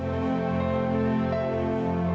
ya makasih ya